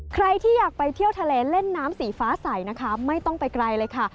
ใครที่อยากไปเที่ยวทะเลเล่นน้ำสีฟ้าใสนะคะไม่ต้องไปไกลเลยค่ะ